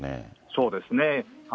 そうですね。